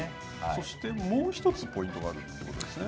そして、もうひとつポイントがあるということですね。